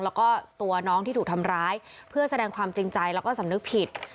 แล้วก็ตัวน้องที่ถูกทำร้ายเพื่อแสดงความจริงใจแล้วก็สำนึกผิด